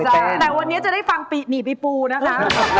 แต่วันนี้จะได้ฟังปิหนีปีปูนะคะ